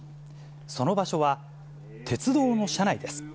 その場所は、鉄道の車内です。